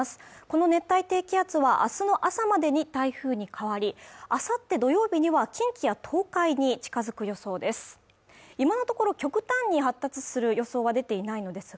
この熱帯低気圧はあすの朝までに台風に変わりあさって土曜日には近畿や東海に近づく予想です